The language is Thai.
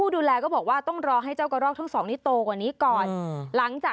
ดูแลกันไปนะจ๊ะ